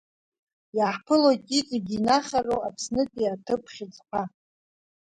Иаҳԥылоит иҵегьы инахароу Аԥснытәи аҭыԥ хьыӡқәа…